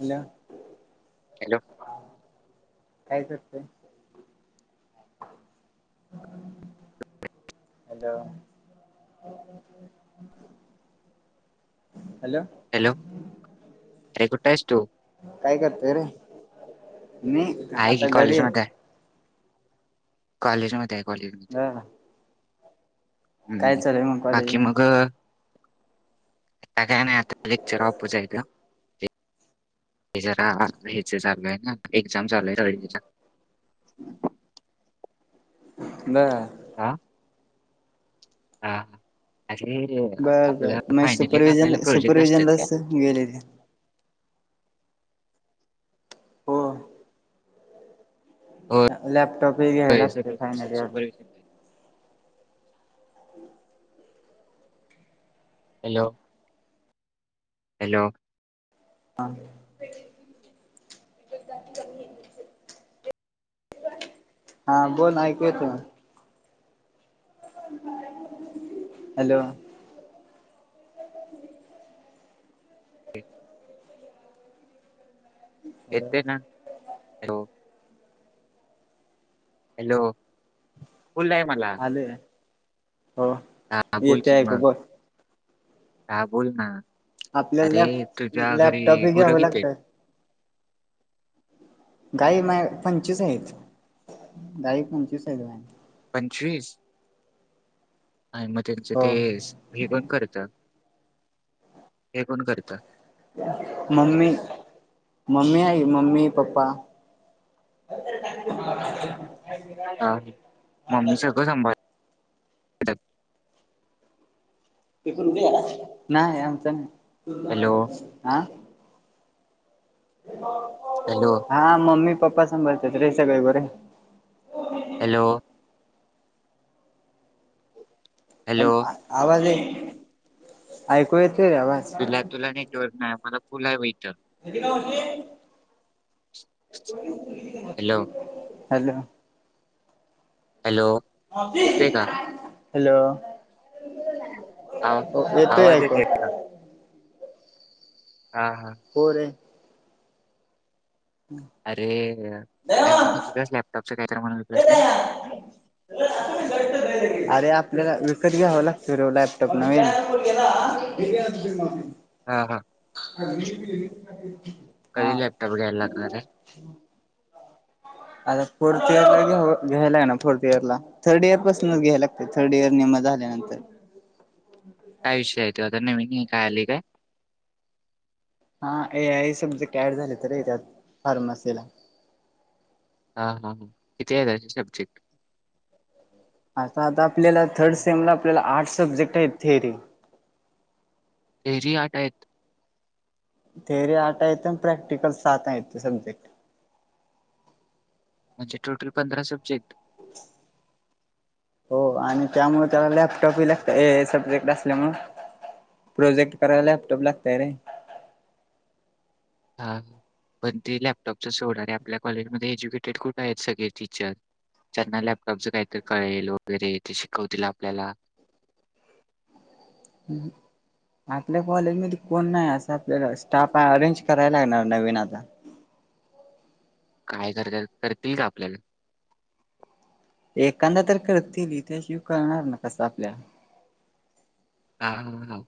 Hello hello काय करतेय. Hello हो हॅलो हॅलो अरे कुठे आहेस तु काय करतय रे मी आहे की आता घरी कॉलेज मध्ये आहे कॉलेज मध्ये आहे कॉलेज मध्ये बर काय हम्म चालूय मग कॉलेज बाकी मध्ये मग आता काय नाही लेक्चर ऑफ च आहे इथं हे जरा हयाच चालू आहे ना एक्झाम चालू आहे. थर्ड इयर चा हम्म नाही हह हा अरे बर बर आपलं मग फायनल इयर ला सुपरवि्हजन आपल्याला प्रोजेक्ट असतात का? सुपरवि्हजनलाच गेले ते हो होय लॅपटॉप ह घ्यावे होय लागते सगळे फायनल शिक्षक इयरला सुपरविजन हॅलो हॅलो हा हा बोल ऐकू येते हॅलो हॅलो येते ना. हॅलो हॅलो फुल आहे मला आले हो येते बोलकी ऐकू मग बोल हा बोल ना. आपल्याला अरे लॅप तुझ्या घरी लॅपटॉप हे गुरं घ्यावं किती आहेत लागतात गाई माझया पंचवीस आहेत गाई पंचवीस आहेत बण पंचवीस आणि मग त्यांचे हो तेस हे कोण करता हे कोण करता मम्मी मम्मी आई मम्मी पप्पा मम्मी सगळं सांभाळ तेठ नाही आमच नाही हॅलो हा ह हॅलो हा मम्मी पप्पा सभाळतात रे सगळे गोरे हॅलो अ हॅलो आवाज ये ऐकू येतो रे आवाज तुला तुला नाही जर नाही मला फ पुला आहे वथं हॅलो हॅलो हॅलो येते का हॅलो आव- येतय आवाज आहेयतो येते हा हा होरे अरे काय ला तपच काहीत म्हला प्रश्न अरे आपल्याला विकत घ्यावं लाग फरव लॅपटॉप नवीन हा हा हा कधी लॅपटॉप घ्यायला लागणार आहे आता फोर्थ इयर ला घेऊ घ्यायलाय ना फोर्थ इयर ला. थर्ड इयर पासूनच घ्यायला लागत थर्ड इयर निेमा झाल्यानंतर, काय विषय आहे तो आता नवीन काय आली काय. हा ए आ सब्जे कॅड झाले तर त्यात फार्मसीला. हा हा हां इथे दश सब्जेक्ट. आता आता आपल्याला थर्ड सेम ला आपल्याला आर्ट सब्जेक्ट आहे थिअरी, तेरी आट आहेत. थेरी आट येत आणि प्रॅक्टिकल साथ ययेते सब्जेक्ट. म्हणजे टोटल पंधरा सब्जेक्ट. [inaudible] हो आणि त्यामुळे त्याला लॅपटॉपही लागत सब्जेक्ट असल्यामुळे. प्रोजेक्ट करायला लॅपटॉप लागतय रे, हा पण ते लॅपटॉपच सोणारे आपल्या कॉलेजमध्येध्ये एज्युकेटेड कुठे आहेत सगळे टीचर, त्यांना लॅपटॉपचं काहीतरी कळेल वगैरे ते शिकवतील आपल्याला, ह. आपल्या कॉलेजमध्ये कोण नाही असं आपल्याला स्टाफ अरेंज करायला लागणार नवीन आता, काय कर करतील का आपल्याला, एखादा तर करतील इथे शिव करणार ना कसं आपल्या, ह हा हा,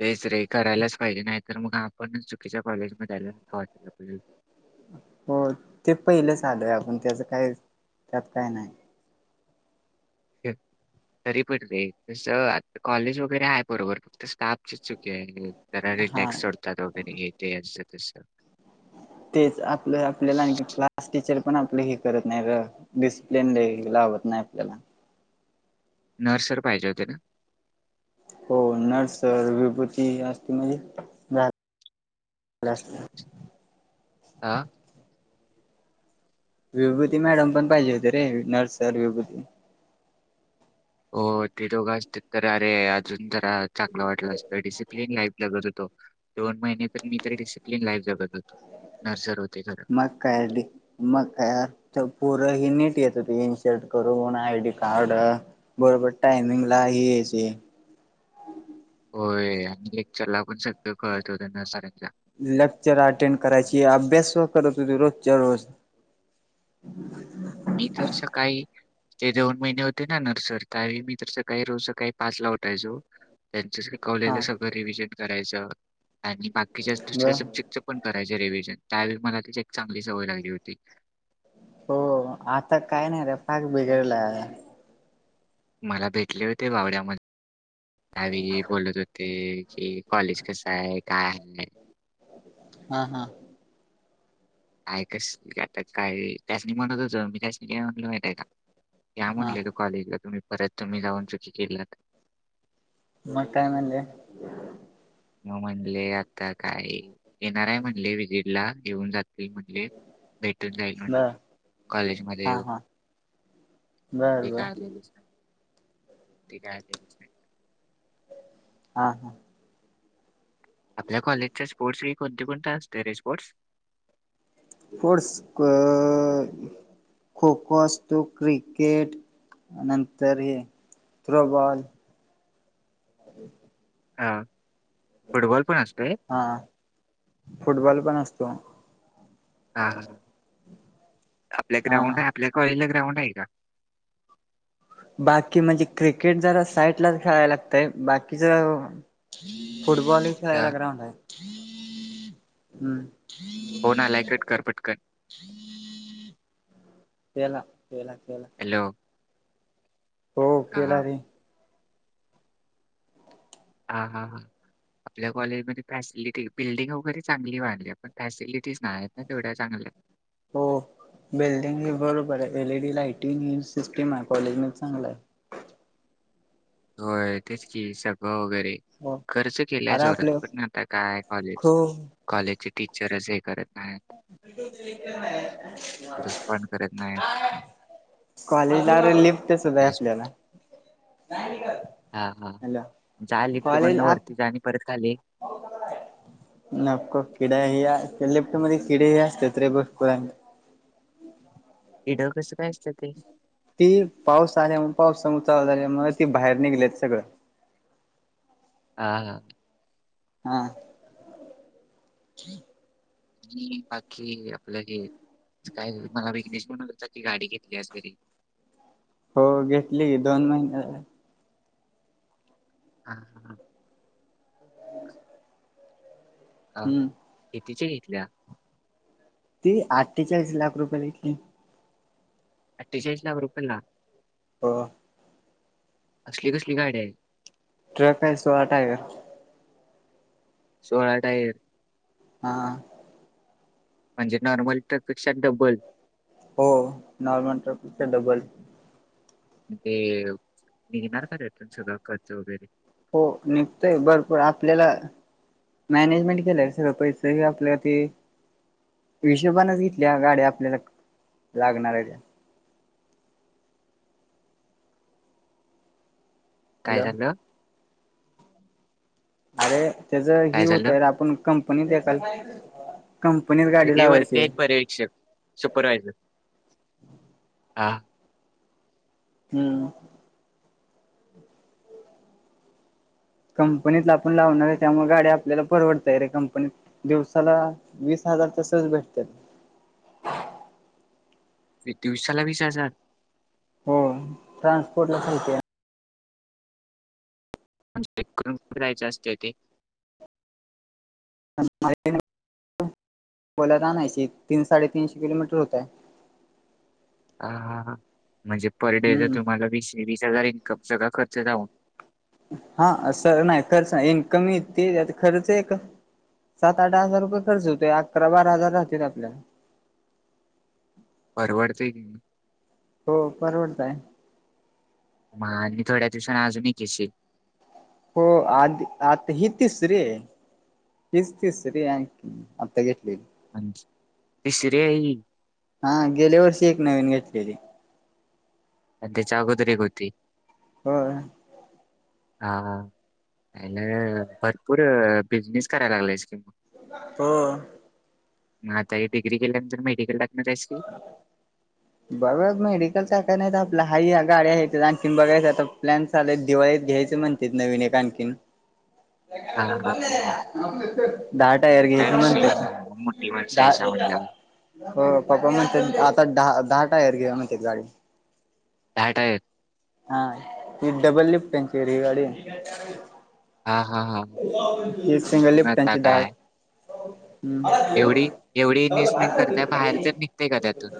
तेच रे करायलाच पाहिजे नाही तर मग आपण चुकीच्या कॉलेज मयला वाटलाहि. हो ते पहिलंच आलोय आपण त्याचं काय त्यात काय नाही. ह. तरी पण रे तस कॉलेज वगैरे आहे बरोबर फक्त स्टाफचीच चुकी आहे. जॅक्ट हा सोडतातगर ये ते अस तस. तेच आपलं आपल्याला आणखी, आ टीचर पण आपले हे करत नाही र डिसिप्लिन लावत नाही आपल्याला, नर्सर पाहिजे होते ना, हो नर्सर विभूती असते म्हणजे. आ, विभूती मॅडम पण पाहिजे होते रे नर्सर विभूती. हो ते दोघं असतील तर अरे अजून जरा चांगलं वाटलं असतं डिसिप्लिन लाईफ लगत होतो. दोन महिने तर मी तरी डिसिप्लिन लाईफ जगत होतो नर्सर होते खरं, मग कायडी, मग पुूरं ही नीट येत होती इनशर्ट करून आय डी कार्ड. बरोबर टायमिंग ला ह यायचे, होय आणि एक चला पण सगळं कळत हो त्यांना साऱ्यांच्या, लेक्चर अटेंड कयची अभ्यास करत रोज च रज, मी तर सकाळी, ते दोन महिने होते ना नर्सर का मी काही रोज सकाळी पाचला उठायचं, त्यांच हा कले सगळं रिव्हजन करायचं आणि बाकीच्या ब दुसऱ्या सब्जेक्टच, पण करायचे रिव्हिजन त्यावेळी मला त एक चांगली सवय लागली होती. हो आता काय नाही रे पाक बिघडला आहे. मला भेटले होते बावड्यामध्ये त्यावी बोलत होते, ते कि कॉलेज कस आहे काय आहे, हा हा. काय कस आता काय त्याचनी म्हणत तच मी त्याचनी काय म्हटलं माहितीय का हा म्हंटलंय त, कॉलेजला तुम्ही परत तुम्ही जाऊन चुकी के, म काय मनले, म म्हणले आता काय येणार आहे म्हणले विजिट ला येऊन जातील म्हण. भेटून जायल म्ह बर कॉलेज मध्ये, हा हा बर तेिक बर आलेली टिक आलेली. हा हा आपल्या कॉलेजच्या स्पोर्ट्स क कोणते कोणते असते रें रेपोर्ट्स स्पोर्ट्स क खो खो असतो क्रिकेट नंतर हे थ्रोबॉल हॅलो हां फुटबॉल पण असतो रें हा फुटबॉल पण असतो हा ह आपल्या हा ग्राउंड आहे आपल्या कॉलेजला ग्राउंड आहे का बाकी म्हणजे क्रिकेट जरा साईडलाच खेळायला लागतय बाकीच फुटबॉल खेळायला हा. ग्राऊंड आहे हम् फोन आलाय कट कर पटकन केला केला केला हॅलो हो हां, केला रे हा हा हा आपल्या कॉलेजमध्ये फॅसिलिटी बिल्डिंग वगैरे चांगली वाढली पण फॅसिलिटीज नाही आहेत ना तेवढ्या चांगल्या हो बिल्डिंग ह बरोबर आहे एलईडी लाइटिंग ही सिस्टम आहे कॉलेज म चांगला आहे होय तेच की सभा वगैरे हो खर्च केलायच अरे जोरात आपले पण आता काय कॉलेज खूप कॉलेजचे टीचरच हे करत नाहीत, [inaudible] रिस्पॉन्ड करत नाहीत. कॉलेजला आरे लिफ्ट सुध आहे रिस्प आपल्याला नाही का हा हा जा लिपच लिफ्टमधपण ना वरती जा आणि परत खाली पाऊस आला काय नको किड्या ह अस लिफ्ट मध्ये किडेही असतात रे भरपूर किड कसं काय असतं ते ती पाऊस आल्या पाऊस सम चाल झाल्या म ती बाहेर निघलीत सगळं हा हा हा आणि बाकी आपलं हे काय मला विक्नेस म्हण हो की गाडी घेतली असगैरी हो घेतली ग दोन महिने झा हा हा ह अ हम्म कीतीच्या घेतल्या ती अठ्ठेचाळीस लाख रुपये घेतली अठ्ठेचाळीस चाळीस लाख रुपये ला हो असली कसली गाडी्या आहे [inaudible] सोळा टायर हा म्हणजे नॉर्मल ट्रकपेक्षा डबल हो नॉर्मल ट्रक पेक्षा डबल अ ते निघणार काय त्यातून सगळा खर्च वैगरे हो निघतोय भरपूर आपल्याला मॅनेजमेंट केलं र सगळं पैसेही आपल्या ते हिशोबानेच घेतल्या गाड्या आपल्याला लागणार आहे त्या काय हॅलो झालं अरे त्याचं ही काय होत झालं? आहे र आपण कंपनीत एकाल कंपनीत गाडी लावायची प्रेक्षक सुपरवायझर. हा. हम्म. कंपनीत आपण लावणारय. त्यामुळे गाडी आपल्याला परवडतय रे, कंपनीत. दिवसाला, वीस हजार सहज भेटत्यात. [unintelligible] शाला वीस हजार! हो. ट्रान्सपोर्टला [unintelligible] चेक करून [unintelligible] रायच असते ते. [unintelligible] [unintelligible] आणायची तीन- साडेतीनशे किलोमीटर होतय. ह, म्हणजे पर डे तर हम्म तुम्हाला वीस, वीस- हजार इन्कम. सगळा खर्च जाऊन हा. असं नाही, खर्च नाही. इनकम येती खर्च एक सात -आठ हजार रुपये खर्च होतोय. अकरा- बारा हजार राहतेत आपल्याला. परवडतय की. हो, परवडतय. म आणखी थोड्या दिवसान अजून एक घेशी हो. आध, आता ही तीसरिय. तिस, तिसरी अँ आता घेतलेली. हांज, तिसरी हाय ही. हा, गेले वर्षी एक नवीन घेतलेली. त्याच्या अगोदर एक होती. होय. हा, हा. [unintelligible] भरपूर, बिझनेस करायला लागलायस कि मग. [inaudible] हो. म आता हे डिग्री केल्यानंतर, मेडिकल टाकणार आहेस की बघुयात. मेडिकल टाकाय नाही तर, आपलं हाय ह्या गाड्या हायत. आणखीन बघायचं आता प्लॅन चालेत दिवाळीत घ्यायचं म्हणतेत, नवीन एक आणखीन. ह ह [unintelligible] दहा टायर काय घ्यायचं विषय नाही. म्हणतात मग मोठी मान जायच्या म्हणल्यावर. दहा हो. पप्पा म्हणतेत, आता दहा, दहा टायर घेऊ म्हणतेत गाडी. [unintelligible] हा, ही डबल लिफ्टचीय रे गाडी. हा हा हा. [unintelligible] एक सिंगल मग आता लिफ्टंची धाट काय एवढी, एवढी इन्व्हेस्टमेंट करताय, बाहेर [unintelligible] निघतेय का त्यातून?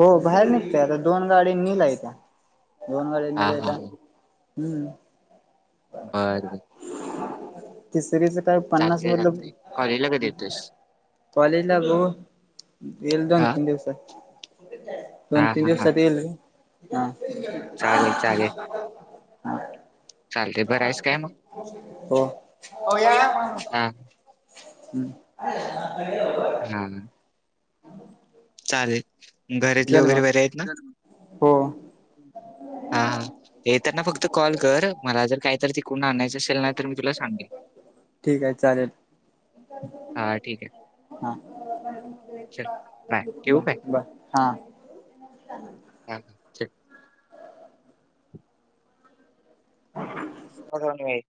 हो बाहेर निघतेय, आता दोन गाडी नीलयता. दोन गाड्या हा हा निलयता. हा. हम्म. बर [unintelligible] तिसरीचं काय पन्नास चालतंय मधलं [inaudible] चालतंय. कॉलेजला कधी येतोयस? कॉलेज ला [unintelligible] हा दिवस. दोन हा -तीन हा हा. दिवसात गेलं. ह [unintelligible] चालेल चालेल. चालतंय बरा आहेस काय मग? [unintelligible] हो. हो या आ मामा. हा ह् [unintelligible] हम्. [unintelligible] चालेल. घरातले चल वगैरे मग बरे आहेत ना? हो. हा, हा. येतना फक्त कॉल कर. मला जर काहीतर तिकून आणायचं असेल ना, तर मी तुला सांगेल. ठीक आहे, चालेल. [unintelligible] हा ठीक आहे हा चल बाय ब ठेवू काय बर हा हा ह सध